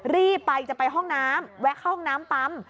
รีบไปจะไปห้องน้ำแวะเข้าห้องน้ำปั๊ม